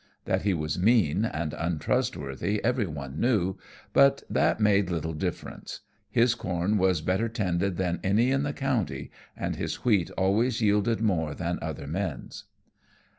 That he was mean and untrustworthy every one knew, but that made little difference. His corn was better tended than any in the county, and his wheat always yielded more than other men's.